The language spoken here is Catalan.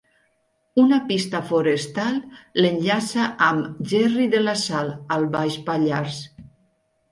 Una pista forestal l'enllaça amb Gerri de la Sal, al Baix Pallars.